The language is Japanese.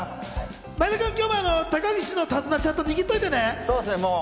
前田君、今日も高岸の手綱をしっかりと握っててね。